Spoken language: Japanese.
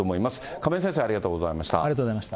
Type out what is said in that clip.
亀井先生ありがとうございました。